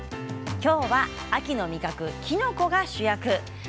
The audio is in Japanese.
きょうは秋の味覚きのこが主役です。